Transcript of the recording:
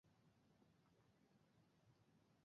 এর ফলে বেশ কয়েকটি প্রদেশে তাদের বহিষ্কার করা হয়।